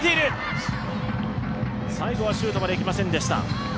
最後はシュートまでいきませんでした。